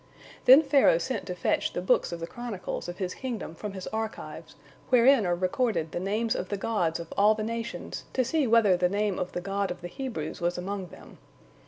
" Then Pharaoh sent to fetch the books of the chronicles of his kingdom from his archives, wherein are recorded the names of the gods of all the nations, to see whether the name of the God of the Hebrews was among them.